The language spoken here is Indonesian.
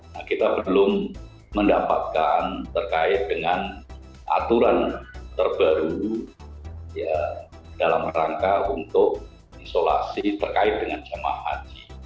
nah kita belum mendapatkan terkait dengan aturan terbaru dalam rangka untuk isolasi terkait dengan jemaah haji